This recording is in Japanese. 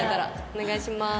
お願いします。